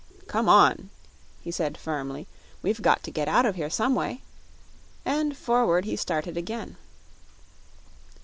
"Come on," he said firmly; "we've got to get out of here some way," and forward he started again.